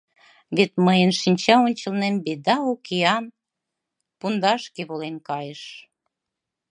Вет мыйын шинча ончылнем «Беда» океан пундашке волен кайыш.